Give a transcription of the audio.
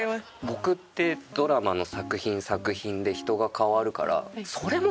僕ってドラマの作品作品で人が変わるから。